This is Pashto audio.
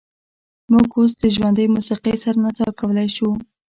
موږ اوس د ژوندۍ موسیقۍ سره نڅا کولی شو